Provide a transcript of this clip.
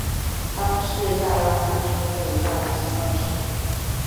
他们是亚拉冈之父亚拉松二世。